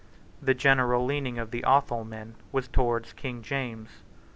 The general leaning of the Athol men was towards King James.